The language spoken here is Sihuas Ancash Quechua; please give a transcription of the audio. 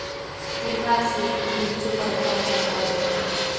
Runashi lluychupa qipanta aywanaq.